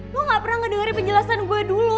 gue gak pernah ngedengarin penjelasan gue dulu